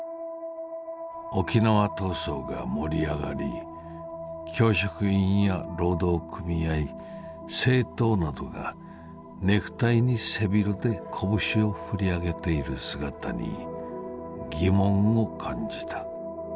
沖縄闘争が盛りあがり教職員や労働組合政党などがネクタイに背広でコブシをふりあげている姿にぎもんを感じた」。